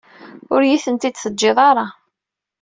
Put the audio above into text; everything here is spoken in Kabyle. Ur iyi-tent-id-teǧǧiḍ ara.